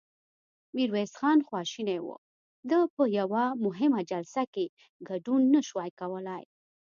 ميرويس خان خواشينی و، ده په يوه مهمه جلسه کې ګډون نه شوای کولای.